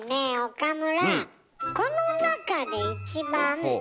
岡村。